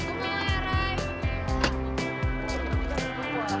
kejarin makanya tau